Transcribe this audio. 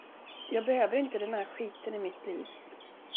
Jag behöver inte den här skiten i mitt liv.